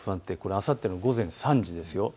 あさっての午前３時ですよ。